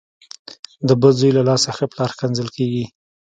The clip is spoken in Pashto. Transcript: د بد زوی له لاسه ښه پلار کنځل کېږي .